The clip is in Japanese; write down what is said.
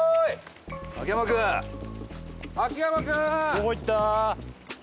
どこ行った？